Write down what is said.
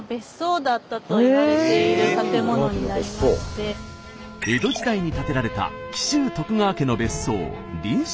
こちらが江戸時代に建てられた紀州徳川家の別荘